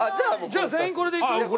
じゃあ全員これでいく？